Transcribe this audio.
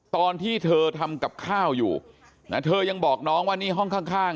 ตอนที่เธอทำกับข้าวอยู่นะเธอยังบอกน้องว่านี่ห้องข้าง